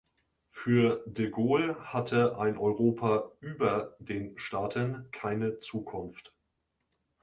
Für De Gaulle hatte ein Europa "über" den Staaten keine Zukunft.